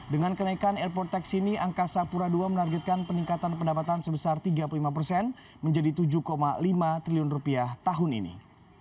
dengan kenaikan airport tax ini angkasa pura ii menargetkan peningkatan pendapatan sebesar tiga puluh lima persen menjadi tujuh lima triliun rupiah tahun ini